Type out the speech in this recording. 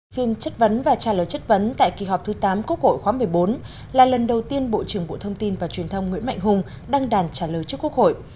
phiên chất vấn và trả lời chất vấn tại kỳ họp thứ tám quốc hội khóa một mươi bốn là lần đầu tiên bộ trưởng bộ thông tin và truyền thông nguyễn mạnh hùng đăng đàn trả lời trước quốc hội